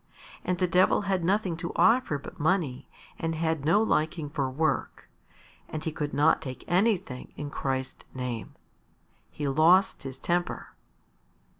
And the Devil had nothing to offer but money and had no liking for work, and he could not take anything in Christ's name. He lost his temper.